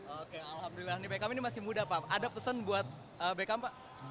oke alhamdulillah ini bekam ini masih muda pak ada pesan buat bekam pak